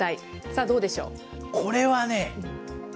さあどうでしょう。